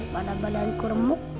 pada badanku remuk